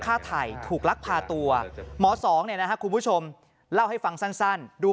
ผ้าไถ่ถูกรักพาตัวหมอสองคุณผู้ชมเล่าให้ฟังสั้นดู